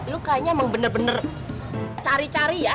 lu kayaknya emang bener bener cari cari ya